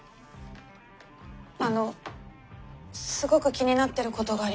あのすごく気になってることがあります。